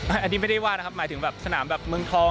อันนี้ไม่ได้ว่าหมายถึงสนามเมืองทอง